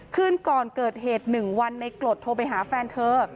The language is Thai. คืนก่อนเกิดเหตุ๑วันในกรดโทรไปหาแฟนเธอ